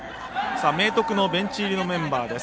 明徳のベンチ入りのメンバーです。